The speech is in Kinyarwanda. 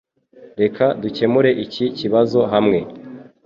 Reka dukemure iki kibazo hamwe.